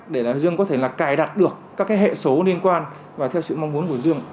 để dương có thể cài đặt được các hệ số liên quan và theo sự mong muốn của dương